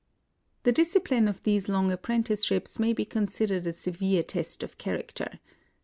The discipline of these long apprenticeships may be considered a severe test of character.